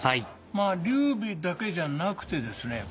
まぁ劉備だけじゃなくてですね